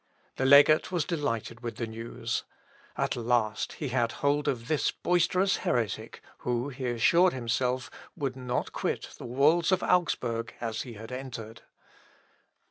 The legate was delighted with the news. At last he had a hold of this boisterous heretic, who, he assured himself, would not quit the walls of Augsburg as he had entered.